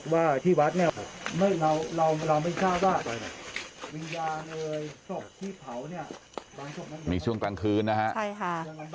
ว่าที่วัดเนี่ยเราไม่ทราบว่ามีช่วงกลางคืนนะฮะ